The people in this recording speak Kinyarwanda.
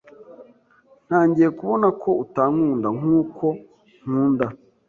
Ntangiye kubona ko utankunda nkuko nkunda.